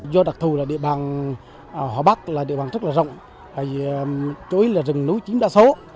do đặc thù địa bàn hòa bắc là địa bàn rất rộng chối là rừng núi chiếm đa số